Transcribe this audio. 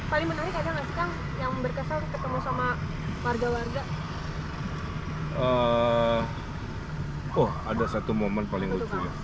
paling menarik ada yang berkesan ketemu sama warga warga oh ada satu momen paling